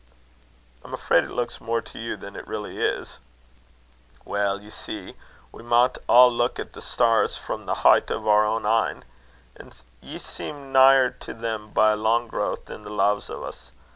"I am afraid it looks more to you than it really is." "Weel, ye see, we maun a' leuk at the starns frae the hicht o' oor ain een. An' ye seem nigher to them by a lang growth than the lave o's.